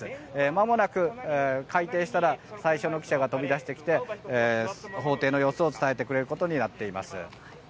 まもなく、開廷したら最初の記者が飛び出してきて法廷の様子を伝えてくれることになっています。